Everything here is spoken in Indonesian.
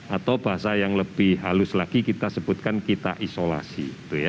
atau bahasa yang lebih halus lagi kita sebutkan kita isolasi